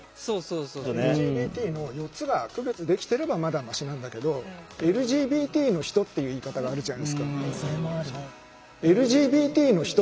ＬＧＢＴの４つが区別できてればまだマシなんだけど「ＬＧＢＴの人」っていう言い方があるじゃないですか。